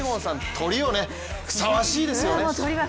トリはふさわしいです。